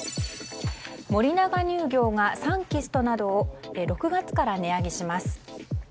森永乳業が、サンキストなどを６月から値上げします。